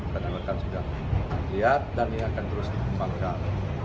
sehingga lihat dan ini akan terus dikembangkan